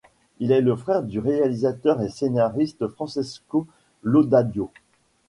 Il est le frère du réalisateur et scénariste Francesco Laudadio.